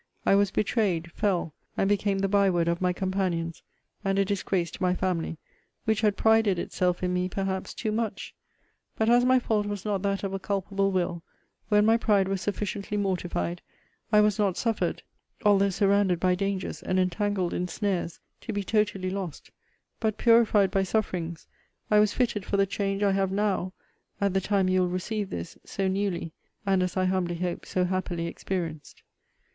I was betrayed, fell, and became the by word of my companions, and a disgrace to my family, which had prided itself in me perhaps too much. But as my fault was not that of a culpable will, when my pride was sufficiently mortified, I was not suffered (although surrounded by dangers, and entangled in snares) to be totally lost: but, purified by sufferings, I was fitted for the change I have NOW, at the time you will receive this, so newly, and, as I humbly hope, so happily experienced.